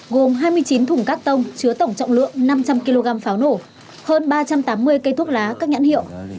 gồm hai mươi chín thùng các tông chứa tổng trọng lượng năm trăm linh kg pháo nổ hơn ba trăm tám mươi cây thuốc lá các nhãn hiệu